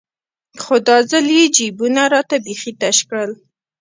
خو دا ځل يې جيبونه راته بيخي تش كړل.